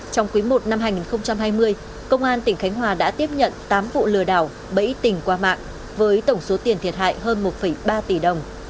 trong quý một năm hai nghìn hai mươi công an tỉnh khánh hòa đã tiếp nhận tám vụ lừa đạo bảy tình qua mạng với tổng số tiền thiệt hại hơn một ba tỷ đồng